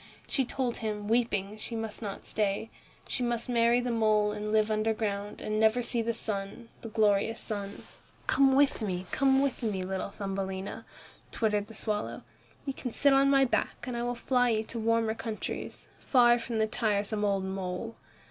She told him, weeping, she must not stay. She must marry the mole and live underground, and never see the sun, the glorious sun. "Come with me, come with me, little Thumbelina," twittered the swallow. "You can sit on my back, and I will fly with you to warmer countries, far from the tiresome old mole.